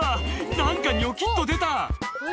何かニョキっと出た何？